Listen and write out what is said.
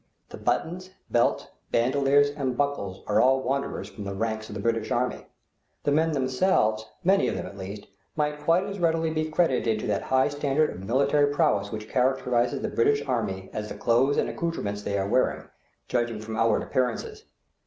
The buttons, belts, bandoleers, and buckles are all wanderers from the ranks of the British army. The men themselves many of them, at least might quite as readily be credited to that high standard of military prowess which characterizes the British army as the clothes and accoutrements they are wearing, judging from outward appearances.